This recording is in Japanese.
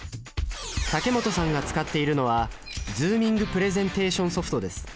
竹元さんが使っているのはズーミングプレゼンテーションソフトです。